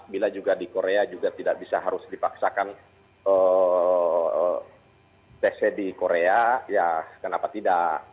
bila juga di korea juga tidak bisa harus dipaksakan tesnya di korea ya kenapa tidak